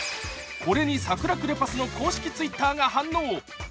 これにサクラクレパスの公式Ｔｗｉｔｔｅｒが反応。